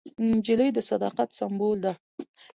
نجلۍ د صداقت سمبول ده.